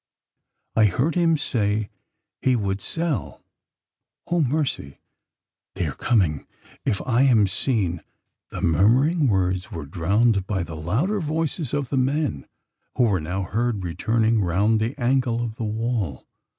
"I heard him say he would sell Oh, mercy! they are coming if I am seen " The murmuring words were drowned by the louder voices of the men who were now heard returning round the angle of the wall.